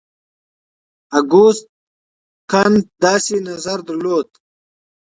اګوست کنت داسې نظر درلود.